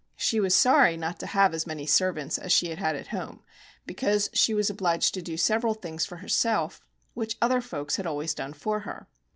She was sorry not to have as many servants as she had had at home, because she was obliged to do several things for herself, which other folks had always done for her.